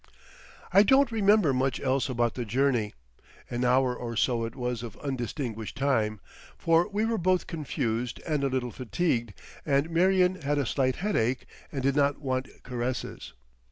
I don't remember much else about the journey, an hour or so it was of undistinguished time—for we were both confused and a little fatigued and Marion had a slight headache and did not want caresses.